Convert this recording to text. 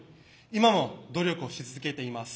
今も努力をし続けています。